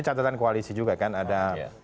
catatan koalisi juga kan ada